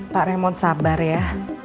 pak raymond sabar ya